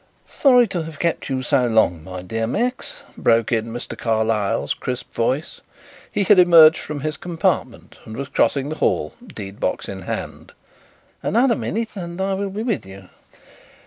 "Sorry to have kept you so long, my dear Max," broke in Mr. Carlyle's crisp voice. He had emerged from his compartment and was crossing the hall, deed box in hand. "Another minute and I will be with you."